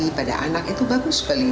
dan pada anak itu bagus sekali